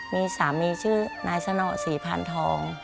มีสามีชื่อนายสนศรีพานทอง